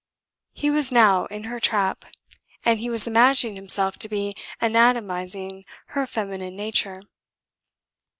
He was now in her trap. And he was imagining himself to be anatomizing her feminine nature.